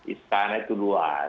istana itu luas